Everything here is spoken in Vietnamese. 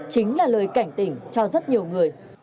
chính là lời cảnh tỉnh cho rất nhiều người